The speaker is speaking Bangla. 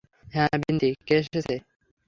হ্যাঁ বিন্তি, কে এসেছে?